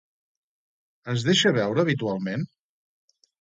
Es deixa veure habitualment?